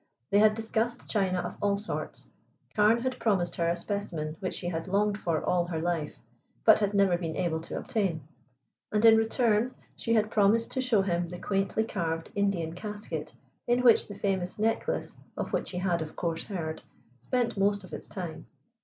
They had discussed china of all sorts, Carne had promised her a specimen which she had longed for all her life, but had never been able to obtain, and in return she had promised to show him the quaintly carved Indian casket in which the famous necklace, of which he had, of course heard, spent most of its time.